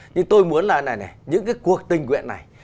nhưng tôi muốn là này những cái cuộc tình nguyện này